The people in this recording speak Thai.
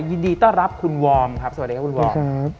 ยินดีต้อนรับคุณวอร์มครับสวัสดีครับคุณวอร์ม